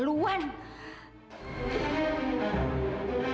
kenapa semuanya terjadi secepat ini